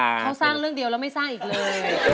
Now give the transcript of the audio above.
เขาสร้างเรื่องเดียวแล้วไม่สร้างอีกเลย